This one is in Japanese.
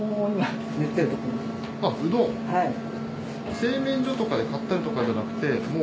製麺所とかで買ったりとかじゃなくてもう。